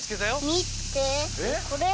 みてこれ。